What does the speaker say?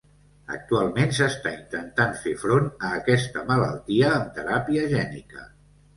Actualment s’està intentant fer front a aquesta malaltia amb teràpia gènica.